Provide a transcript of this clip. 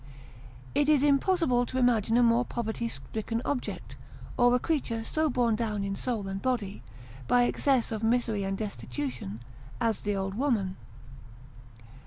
It is impossible to imagine a more poverty stricken object, or a creature so borne down in soul and body, by excess of misery and destitution as the old woman.